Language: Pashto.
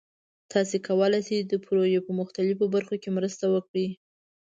تاسو کولی شئ د پروژې په مختلفو برخو کې مرسته وکړئ.